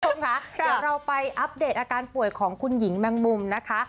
เดี๋ยวเราไปอัพเดทอาการป่วยของคุณหญิงแมงมุมนะคะ